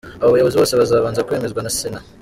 Abo bayobozi bose bazabanza kwemezwa na Sena.